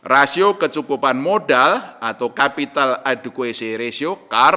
rasio kecukupan modal atau capital adequacy ratio